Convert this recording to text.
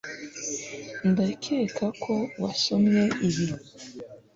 ndakeka ko wasomye ibi